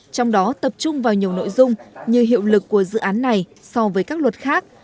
trong đó tập trung vào nhiều nội dung như hiệu lực của dự án này so với các luật khác